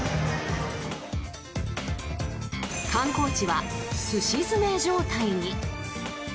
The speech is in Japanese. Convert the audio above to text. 観光地は、すし詰め状態に。